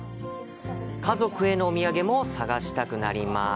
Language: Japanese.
家族へのお土産も探したくなります。